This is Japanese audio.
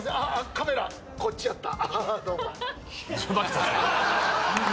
カメラこっちやった。